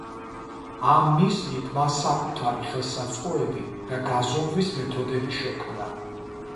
ამ მიზნით მან საკუთარი ხელსაწყოები და გაზომვის მეთოდები შექმნა.